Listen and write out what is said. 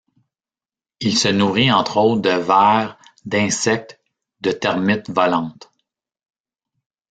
Il se nourrit entre autres de vers, d'insectes, de termites volantes.